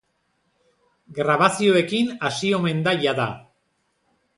Grabazioekin hasi omen da jada.